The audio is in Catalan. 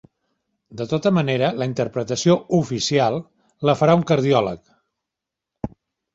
De tota manera, la interpretació "oficial" la farà un cardiòleg.